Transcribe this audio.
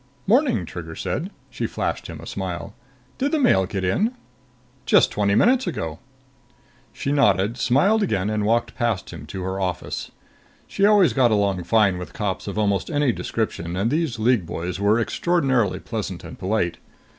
"Morning," Trigger said. She flashed him a smile. "Did the mail get in?" "Just twenty minutes ago." She nodded, smiled again and walked past him to her office. She always got along fine with cops of almost any description, and these League boys were extraordinarily pleasant and polite.